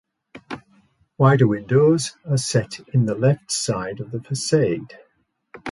Wider windows are set in the left side of the facade.